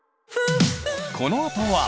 このあとは。